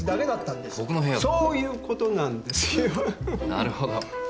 なるほど。